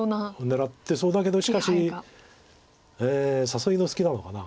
狙ってそうだけどしかし誘いの隙なのかな。